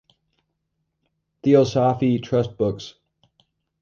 Theosophy Trust Books.